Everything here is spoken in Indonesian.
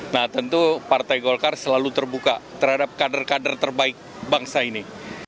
nah tentu partai golkar selalu terbuka terhadap kader kader terbaik bangsa ini